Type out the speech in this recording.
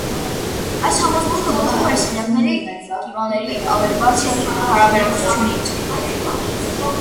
Այս համոզմունքը բխում է սենյակների կիվաների ավելի բարձր հարաբերակցությունից։